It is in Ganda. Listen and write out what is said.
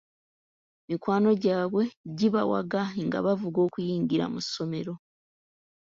Mikwano gy'abwe gibawaga nga bavuga okuyingira mu ssomero.